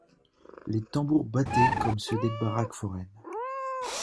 Les tambours battaient comme ceux des baraques foraines.